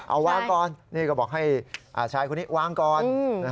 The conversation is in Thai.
เอาวางก่อนนี่ก็บอกให้ชายคนนี้วางก่อน